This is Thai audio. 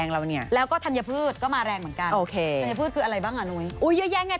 แล้วก็ธันยพืชก็มะแรงเหมือนกัน